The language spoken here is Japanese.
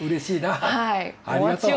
ありがとう。